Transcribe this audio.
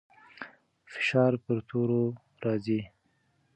فشار پر تورو راځي.